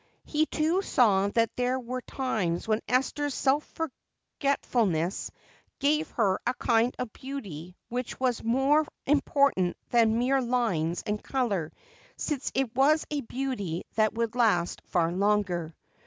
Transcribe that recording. He too saw that there were times when Esther's self forgetfulness gave her a kind of beauty which was more important than mere lines and color, since it was a beauty that would last far longer.